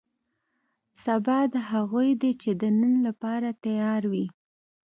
سبا دې هغو دی چې د نن لپاره تیار وي.